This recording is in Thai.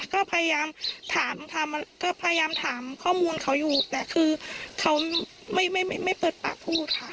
ก็พยายามถามข้อมูลเขาอยู่แต่คือเขาไม่เปิดปากพูดค่ะ